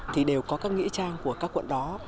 thì đều có các nghĩa trang của các quận đó